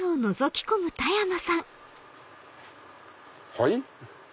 はい？